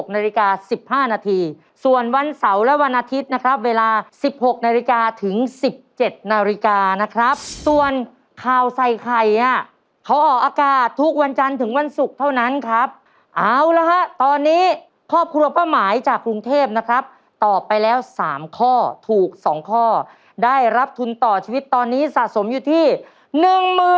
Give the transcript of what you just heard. นาฬิกา๑๕นาทีส่วนวันเสาร์และวันอาทิตย์นะครับเวลา๑๖นาฬิกาถึง๑๗นาฬิกานะครับส่วนข่าวใส่ไข่เขาออกอากาศทุกวันจันทร์ถึงวันศุกร์เท่านั้นครับเอาละฮะตอนนี้ครอบครัวป้าหมายจากกรุงเทพนะครับตอบไปแล้ว๓ข้อถูก๒ข้อได้รับทุนต่อชีวิตตอนนี้สะสมอยู่ที่๑๐๐๐